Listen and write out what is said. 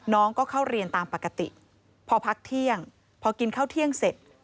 น้องก็เข้าเรียนตามปกติพอพักเที่ยงพอกินข้าวเที่ยงเสร็จ